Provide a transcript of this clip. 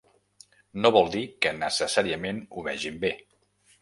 No vol dir que necessàriament ho vegin bé.